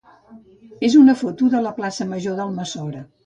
és una foto de la plaça major d'Almassora.